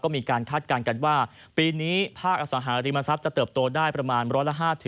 มีการคาดการณ์กันว่าปีนี้ภาคอสังหาริมทรัพย์จะเติบโตได้ประมาณร้อยละ๕๕